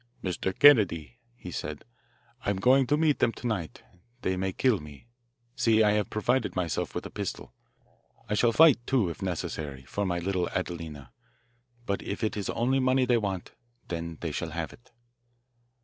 "Mr. Kennedy," he said, "I am going to meet them to night. They may kill me. See, I have provided myself with a pistol I shall fight, too, if necessary for my little Adelina. But if it is only money they want, they shall have it."